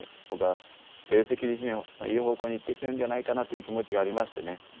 僕は成績自身いい方向にいってくれるんじゃないかなという気持ちがありましてね